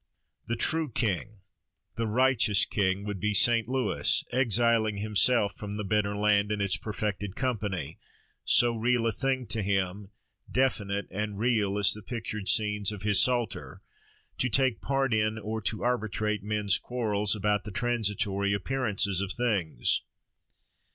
The true king, the righteous king, would be Saint Lewis, exiling himself from the better land and its perfected company—so real a thing to him, definite and real as the pictured scenes of his psalter—to take part in or to arbitrate men's quarrels, about the transitory appearances of things.